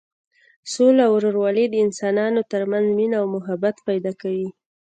سوله او ورورولي د انسانانو تر منځ مینه او محبت پیدا کوي.